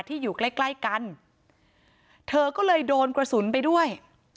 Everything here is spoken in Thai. อยู่ใกล้ใกล้กันเธอก็เลยโดนกระสุนไปด้วย